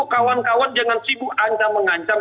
kawan kawan jangan sibuk ancam mengancam